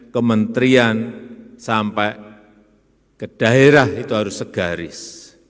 kementerian sampai ke daerah itu harus segaris